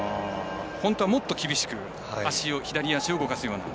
本当はもっと厳しく左足を動かすような。